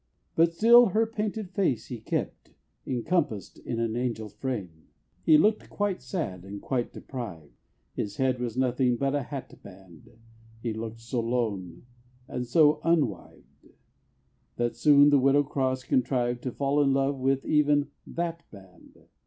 But still her painted face he kept, "Encompassed in an angel's frame." He looked quite sad and quite deprived, His head was nothing but a hat band; He looked so lone, and so _un_wived, That soon the Widow Cross contrived To fall in love with even that band!